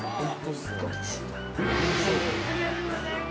ありがとうございます。